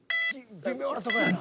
微妙なとこやな。